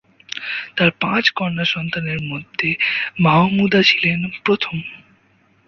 তার পাঁচ সন্তানের মধ্যে মাহমুদা ছিলেন প্রথম।